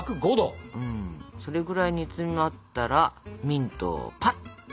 それぐらい煮詰まったらミントをパッと。